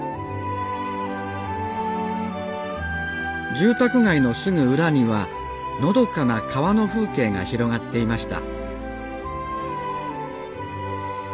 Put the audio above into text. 住宅街のすぐ裏にはのどかな川の風景が広がっていました